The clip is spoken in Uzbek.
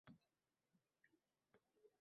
Umrimni fido etay